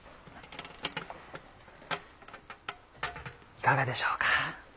いかがでしょうか。